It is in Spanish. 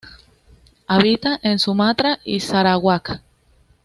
Habita en Sumatra y Sarawak.